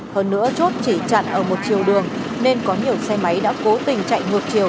hơn nữa chốt chỉ chặn ở một chiều đường nên có nhiều xe máy đã cố tình chạy ngược chiều